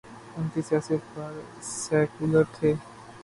ان کے سیاسی افکار سیکولر تھے۔